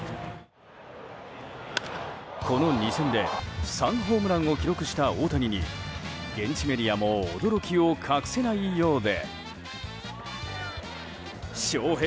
この２戦で３ホームランを記録した大谷に現地メディアも驚きを隠せないようで。